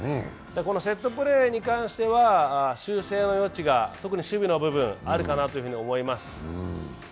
このセットプレーに関しては修正の余地が、特に守備の部分あるかなと思います。